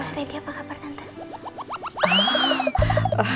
mas reddy apa kabar tante